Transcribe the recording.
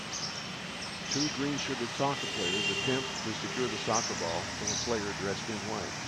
Two green shirted soccer players attempt to secure the soccer ball from a player dressed in white.